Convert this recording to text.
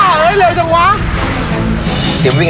กลายเป็นไงอ่ะ